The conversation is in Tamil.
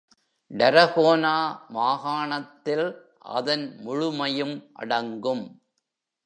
டரகோனா மாகாணத்தில் அதன் முழுமையும் அடங்கும்.